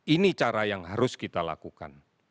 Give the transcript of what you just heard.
ini cara yang harus kita lakukan